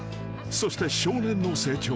そして少年の成長］